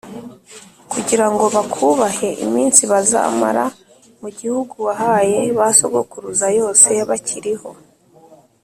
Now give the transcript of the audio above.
kugira ngo bakubahe iminsi bazamara mu gihugu wahaye ba sogokuruza yose bakiriho